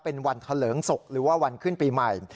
เป็นวันทะเลิงศกหรือว่าวันขึ้นปีใหม่